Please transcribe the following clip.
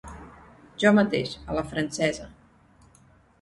Jo mateix, a la francesa.